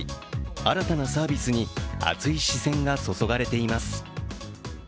新たなサービスに熱い視線が注がれています。